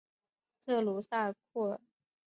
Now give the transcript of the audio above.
特鲁桑库尔。